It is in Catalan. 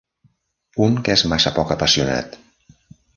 Un que és massa poc apassionat.